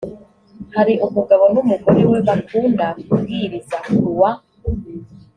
hari umugabo n umugore we bakunda kubwiriza kuwa